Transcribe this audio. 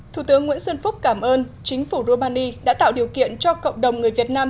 thủ tướng nguyễn xuân phúc cảm ơn chính phủ romani đã tạo điều kiện cho cộng đồng người việt nam